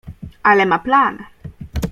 Ale ma plan.